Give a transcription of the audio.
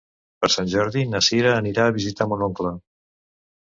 Per Sant Jordi na Cira anirà a visitar mon oncle.